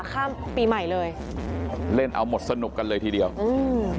ข้ามปีใหม่เลยเล่นเอาหมดสนุกกันเลยทีเดียวอืม